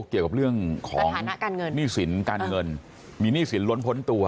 เกี่ยวกับเรื่องของฐานะหนี้สินการเงินมีหนี้สินล้นพ้นตัว